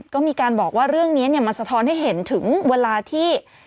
ก็มีการบอกว่าเรื่องนี้มันสะท้อนให้เห็นถึงเวลาที่